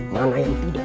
mana yang tidak